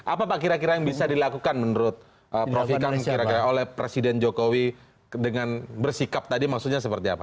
apa pak kira kira yang bisa dilakukan menurut prof ikam kira kira oleh presiden jokowi dengan bersikap tadi maksudnya seperti apa